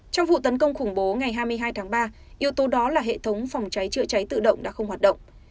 trong vụ tấn công khủng bố ngày hai mươi hai tháng ba yếu tố đó là hệ thống phòng cháy chữa cháy tự động đã không hoạt động